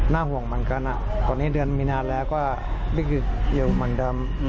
ห่วงเหมือนกันตอนนี้เดือนมีนาแล้วก็วิกฤตอยู่เหมือนเดิม